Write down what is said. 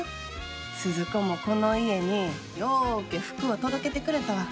鈴子もこの家にようけ福を届けてくれたわ。